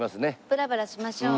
ブラブラしましょう。